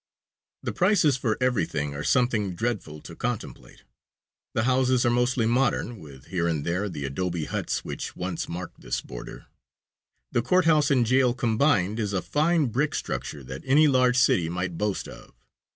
The prices for everything are something dreadful to contemplate. The houses are mostly modern, with here and there the adobe huts which once marked this border. The courthouse and jail combined is a fine brick structure that any large city might boast of.